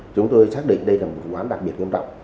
chúng tôi xác định đây là một quán đặc biệt nghiêm trọng